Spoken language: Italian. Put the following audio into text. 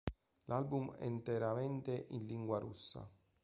L'album è interamente in lingua russa.